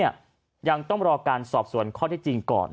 ยังต้องรอการสอบสวนข้อที่จริงก่อน